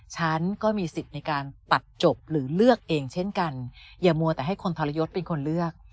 ฉันก็มีสิทธิ์ในการตัดจบหรือเลือกเองเช่นกันอย่ามัวแต่ให้คนทรยศเป็นคนเลือก